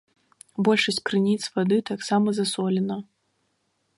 Большасць крыніц вады таксама засолена.